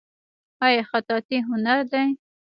آیا خطاطي هنر دی؟